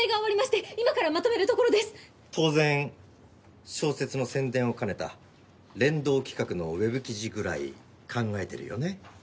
当然小説の宣伝を兼ねた連動企画のウェブ記事ぐらい考えてるよね？